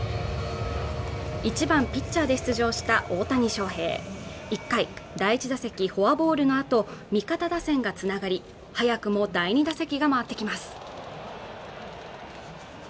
１番ピッチャーで出場した大谷翔平１回第１打席フォアボールのあと味方打線がつながり早くも第２打席が回ってきます